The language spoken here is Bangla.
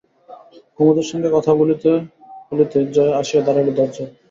কুমুদের সঙ্গে কথা বলিতে বলিতে জয়া আসিয়া দাড়াইল দরজায়।